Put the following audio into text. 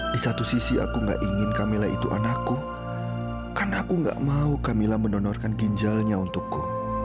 di satu sisi aku nggak ingin kamilah itu anakku karena aku nggak mau kamilah mendonorkan ginjalnya untukku